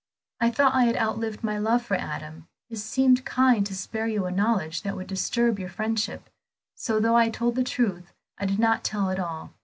I thought I had outlived my love for Adam; it seemed kind to spare you a knowledge that would disturb your friendship, so though I told the truth, I did not tell it all.